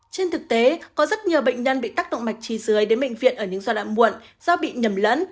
trên thực tế có rất nhiều bệnh nhân bị tác động mạch chi dưới đến bệnh viện ở những giai đoạn muộn do bị nhầm lẫn